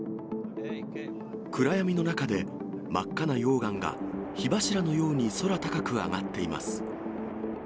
暗闇の中で真っ赤な溶岩が、火柱のように空高く上がっています。